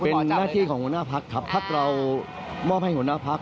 เป็นหน้าที่ของหัวหน้าพักครับพักเรามอบให้หัวหน้าพัก